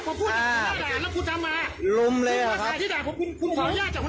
คุณขออนุญาตจากคุณหน้าด่าแล้วยัง